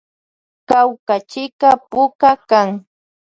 Kawkachika puka kan.